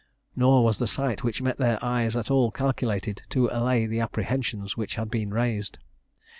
Nor was the sight which met their eyes at all calculated to allay the apprehensions which had been raised.